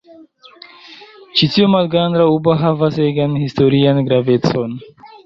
Ĉi tio malgranda urbo havas egan historian gravecon.